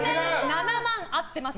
７万は合っています。